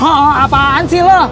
hah apaan sih lo